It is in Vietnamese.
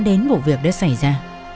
đến một việc đã xảy ra